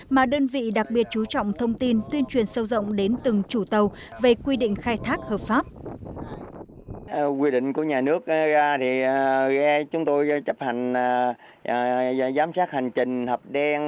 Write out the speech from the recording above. mà đơn vị đặc biệt chú trọng thông tin tuyên truyền sâu rộng đến từng chủ tàu về quy định khai thác hợp pháp